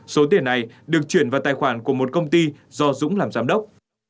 số tiền này được chuyển vào tài khoản của một công ty do dũng làm giám đốc